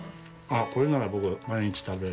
これなら僕毎日食べる。